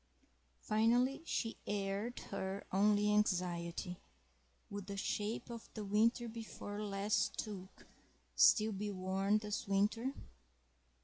Finally, she aired her only anxiety—would the shape of the winter before last toque still be worn this winter?